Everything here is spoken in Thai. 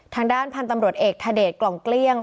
ทางด้านพันธุ์ตำรวจเอกทเดชกล่องเกลี้ยง